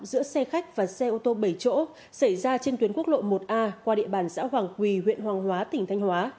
giữa xe khách và xe ô tô bảy chỗ xảy ra trên tuyến quốc lộ một a qua địa bàn xã hoàng quỳ huyện hoàng hóa tỉnh thanh hóa